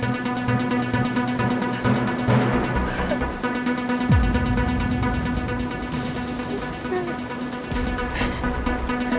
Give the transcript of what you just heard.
kalau masih demam mau ke dokter